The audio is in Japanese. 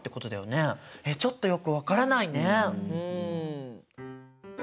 えっちょっとよく分からないね。